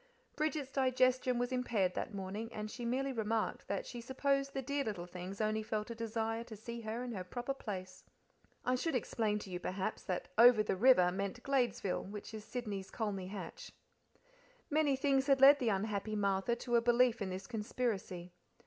Bridget's digestion was impaired that morning, and she merely remarked that she supposed the dear little things only felt a desire to see her in her proper place. I should explain to you, perhaps, that "over the river" meant Gladesville, which is Sydney's Colney Hatch. Many things had led the unhappy Martha to a belief in this conspiracy.